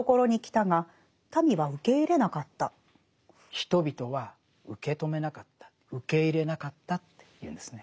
人々は受け止めなかった受け入れなかったっていうんですね。